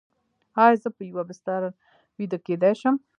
ایا زه په یوه بستر ویده کیدی شم؟